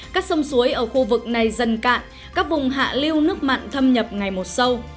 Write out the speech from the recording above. các sông suối ở khu vực này dần cạn các vùng hạ lưu nước mặn thâm nhập ngày một sâu